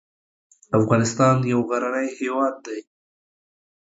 افغانستان یو غرنی هیواد دی